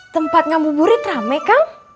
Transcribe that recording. tempat ngamu burit rame kang